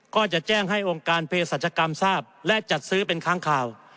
ก็จะแจ้งให้องค์การเพศรัชกรรมทราบและจัดซื้อเป็นค้างข่าว